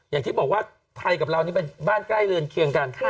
อย่างที่บอกว่าไทยกับเรานี่เป็นบ้านใกล้เรือนเคียงกัน